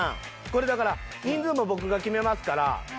これだから人数も僕が決めますから。